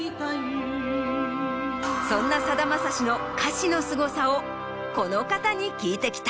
そんなさだまさしの歌詞のすごさをこの方に聞いてきた。